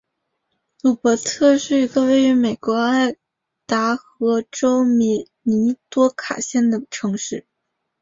鲁珀特是一个位于美国爱达荷州米尼多卡县的城市。